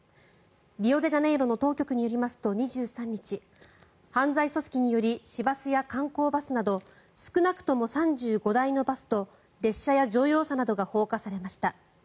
リオデジャネイロの当局によりますと２３日、犯罪組織により市バスや観光バスなど少なくとも３５台のバスと列車や乗用車などが放火されました。